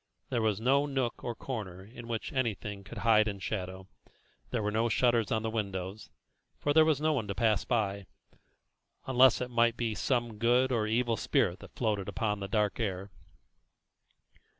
There was no nook or corner in which anything could hide in shadow; there were no shutters on the windows, for there was no one to pass by, unless it might be some good or evil spirit that floated upon the dark air.